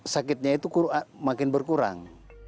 sakitnya itu makin berkurang